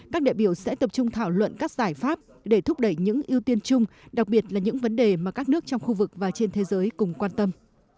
các đại biểu sẽ tập trung thảo luận các giải pháp để thúc đẩy những ưu tiên chung đặc biệt là những vấn đề mà các nước trong khu vực và trên thế giới cùng quan tâm